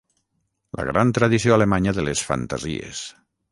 La gran tradició alemanya de les fantasies.